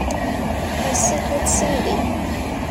I sit with Cindy.